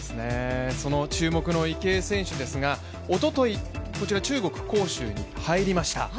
その注目の池江選手ですがおととい、中国・杭州に入りました。